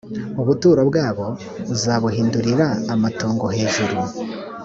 ubuturo bwabo azabuhindurira amatongo hejuru